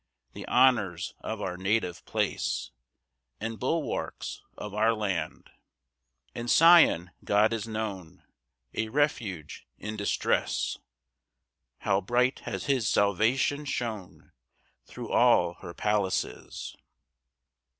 The honours of our native place, And bulwarks of our land.] 3 In Sion God is known A refuge in distress; How bright has his salvation shone Thro' all her palaces!